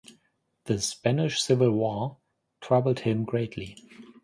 The Spanish Civil War troubled him greatly.